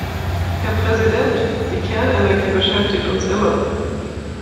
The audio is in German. Herr Präsident, die Kernenergie beschäftigt uns immer.